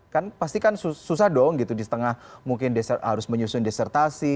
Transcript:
kan pasti kan susah dong gitu di setengah mungkin harus menyusun desertasi